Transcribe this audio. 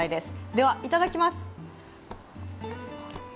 では、いただきます。